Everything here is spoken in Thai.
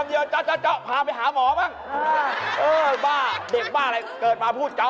นี่จริง